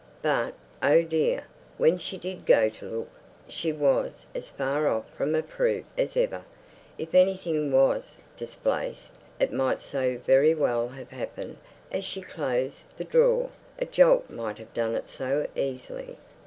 But, oh dear, when she did go to look, she was as far off from a proof as ever! If anything was displaced, it might so very well have happened as she closed the drawer; a jolt might have done it so easily.